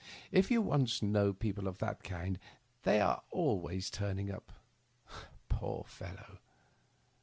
If you once know people of that kind they are always turning up. Poor fellow